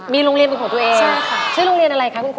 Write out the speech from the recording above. มีโรงเรียนเป็นของตัวเองใช่ค่ะชื่อโรงเรียนอะไรคะคุณครู